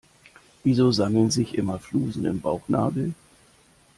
Wieso sammeln sich immer Flusen im Bauchnabel?